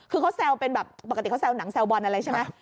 คือเขาแซวเป็นแบบปกติเขาแซวหนังแซวบอลอะไรใช่ไหม